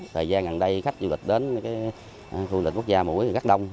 thời gian gần đây khách du lịch đến khu du lịch quốc gia mũi rất đông